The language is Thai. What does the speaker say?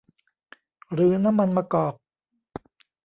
หรือน้ำมันมะกอก